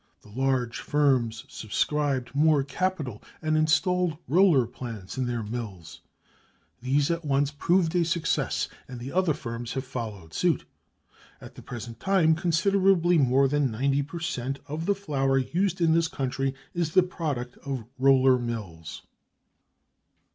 The large firms subscribed more capital and installed roller plant in their mills. These at once proved a success and the other firms have followed suit. At the present time considerably more than 90 per cent. of the flour used in this country is the product of roller mills.